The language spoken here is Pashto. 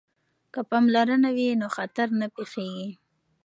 که پاملرنه وي نو خطر نه پیښیږي.